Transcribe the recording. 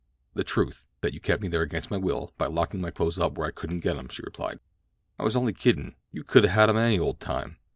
"The truth—that you kept me there against my will by locking my clothes up where I couldn't get 'em," she replied. "I was only kiddin—you could 'a' had 'em any old time.